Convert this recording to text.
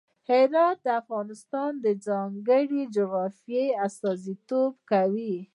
هرات د افغانستان د ځانګړي جغرافیه استازیتوب کوي.